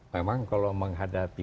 memang kalau menghadapi